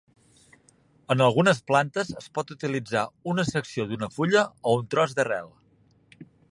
En algunes plantes, es pot utilitzar una secció d'una fulla o un tros d'arrel.